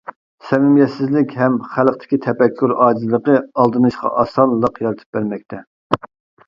سەمىمىيەتسىزلىك ھەم خەلقتىكى تەپەككۇر ئاجىزلىقى ئالدىنىشقا ئاسانلىق يارىتىپ بەرمەكتە.